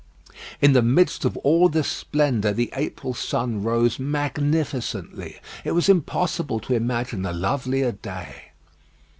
In the midst of all this splendour, the April sun rose magnificently. It was impossible to imagine a lovelier day.